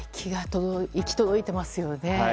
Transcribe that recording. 行き届いてますよね。